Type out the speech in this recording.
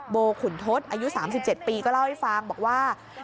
ขุนทศอายุ๓๗ปีก็เล่าให้ฟังบอกว่า